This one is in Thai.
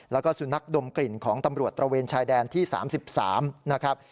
แล้วก็สุนัขดมกลิ่นของตำรวจตระเวนชายแดนที่๓๓นะครับ